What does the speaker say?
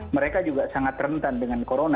mereka juga sangat rentan dengan corona